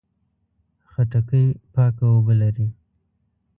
خټکی پاکه اوبه لري.